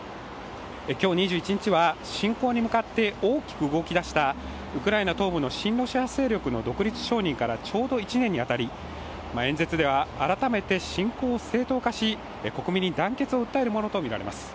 今日２１日は、侵攻に向かって大きく動き出したウクライナ東部の親ロシア派勢力の独立承認からちょうど１年に当たり演説では改めて侵攻を正当化し、国民に団結を訴えるものと思われます。